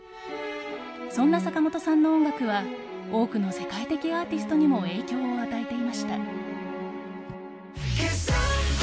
そんな坂本さんの音楽は多くの世界的アーティストにも影響を与えていました。